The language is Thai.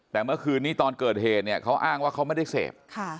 แต่เมื่อคืนนี้ตอนเกิดเหตุเนี่ยเขาอ้างว่าเขาไม่ได้เสพ